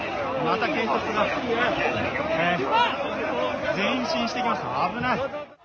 また警察が危ない。